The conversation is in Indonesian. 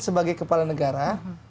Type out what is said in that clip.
sebagai kepala negara